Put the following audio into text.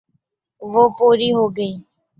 وہ پوری ہو گئی۔